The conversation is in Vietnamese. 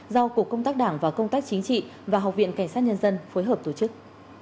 do cục công tác đảng và công tác chính trị và học viện cảnh sát nhân dân phối hợp tổ chức